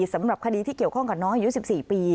สำหรับคดีที่เกี่ยวข้องกับน้องอายุ๑๔ปี